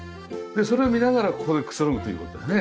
それを見ながらここでくつろぐという事でね。